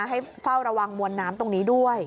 ให้เฝ้าระวังมวลน้ำตรงนี้ด้วย